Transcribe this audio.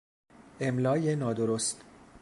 املای نادرست